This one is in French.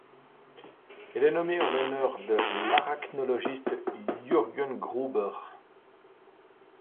Elle est nommée en l'honneur de l'arachnologiste Jürgen Gruber.